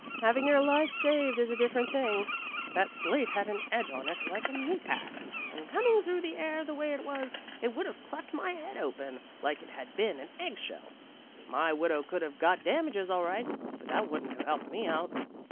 " Having your life saved is a different thing. That slate had an edge on it like a meat ax, and coming through the air the way it was, it would have cleft my head open like it had been an egg shell. My widow could have got damages all right, but that wouldn't have helped me out."